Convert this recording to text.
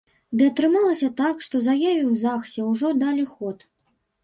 Ды атрымалася так, што заяве ў загсе ўжо далі ход.